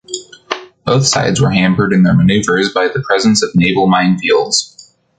Both sides were hampered in their maneuvers by the presence of naval minefields.